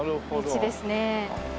道ですね。